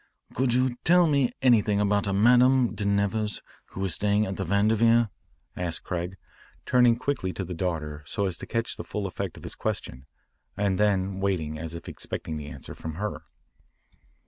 "Could you tell me anything about a Madame de Nevers who was staying at the Vanderveer?" asked Craig, turning quickly to the daughter so as to catch the full effect of his question, and then waiting as if expecting the answer from her.